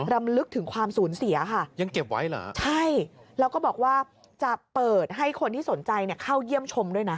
รำลึกถึงความสูญเสียค่ะยังเก็บไว้เหรอใช่แล้วก็บอกว่าจะเปิดให้คนที่สนใจเนี่ยเข้าเยี่ยมชมด้วยนะ